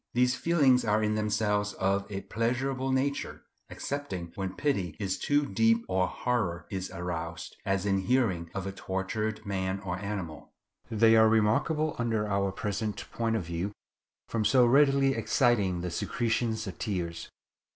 These feelings are in themselves of a pleasurable nature, excepting when pity is too deep, or horror is aroused, as in hearing of a tortured man or animal. They are remarkable under our present point of view from so readily exciting the secretion of tears.